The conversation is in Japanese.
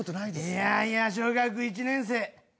いやいや小学１年生。